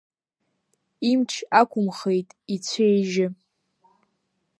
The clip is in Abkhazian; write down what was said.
Имч ақәымхеит ицәеижьы.